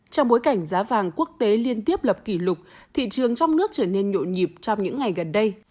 trong bối cảnh giá vàng quốc tế liên tiếp lập kỷ lục thị trường trong nước trở nên nhộn nhịp trong những ngày gần đây